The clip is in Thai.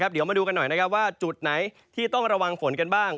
เดี๋ยวมาดูกันหน่อยนะครับว่าจุดไหนที่ต้องระวังฝนกันบ้าง